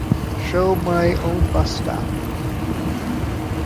Show my own bus stop